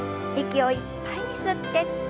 息をいっぱいに吸って。